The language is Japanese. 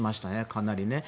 かなりね。